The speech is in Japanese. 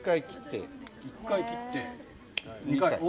１回切って、２回。